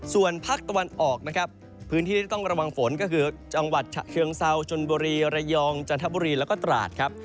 ส่วนภาคตะวันออกนะครับพื้นที่ที่ต้องระวังฝนก็คือจังหวัดฉะเชิงเซาชนบุรีระยองจันทบุรีแล้วก็ตราดครับ